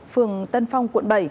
phường tân phong quận bảy